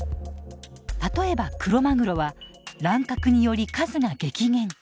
例えばクロマグロは乱獲により数が激減。